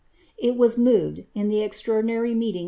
^ It was moved, in the extraordinary mcetin*?